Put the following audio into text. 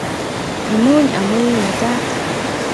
Imuuny amu iing'etat.